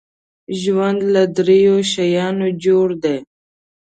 ژوند له دریو شیانو جوړ دی .